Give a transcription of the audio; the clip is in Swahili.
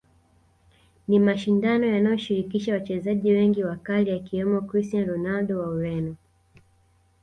Ni mashindano yanayoshirikisha wachezaji wengi wakali akiwemo Christiano Ronaldo wa Ureno